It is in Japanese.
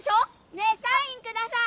ねえサイン下さい！